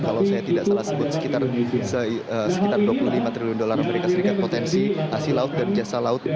kalau saya tidak salah sebut sekitar dua puluh lima triliun dolar amerika serikat potensi hasil laut dan jasa laut